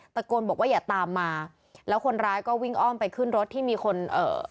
ตะโกนบอกว่าอย่าตามมาแล้วคนร้ายก็วิ่งอ้อมไปขึ้นรถที่มีคนเอ่อ